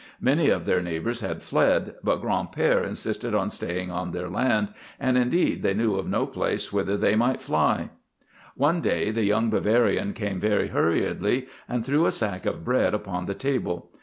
Many of their neighbours had fled, but Gran'père insisted on staying on their land, and indeed they knew of no place whither they might fly. One day the young Bavarian came very hurriedly and threw a sack of bread upon the table.